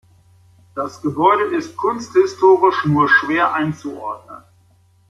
Das Gebäude ist kunsthistorisch nur schwer einzuordnen.